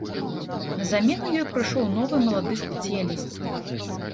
На замену ёй прыйшоў новы малады спецыяліст.